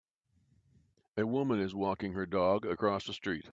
A woman is walking her dog across a street.